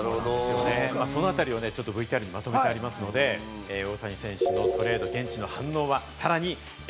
そのあたりをＶＴＲにまとめていますので、大谷選手トレード、現地の反応は？